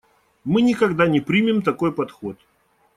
Мы никогда не примем такой подход.